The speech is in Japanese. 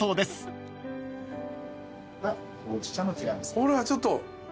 ほらちょっと！